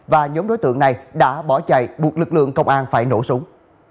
và nhóm đối tượng này đã bỏ chạy buộc lực lượng công an phải nổ súng